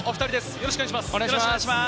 よろしくお願いします。